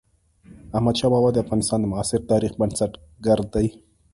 احمد شاه بابا د افغانستان د معاصر تاريخ بنسټ ګر دئ.